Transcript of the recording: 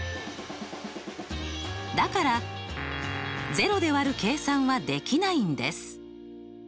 だから０で割る計算はできないんです。